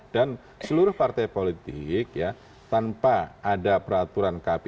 dan seluruh partai politik tanpa ada peraturan kpu